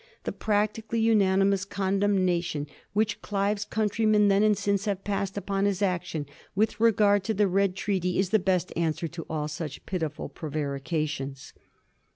The prac tically unanimous condemnation which Olive's country men then and since have passed upon his action with regard to the Red Treaty is the best answer to all such pitiful prevarications.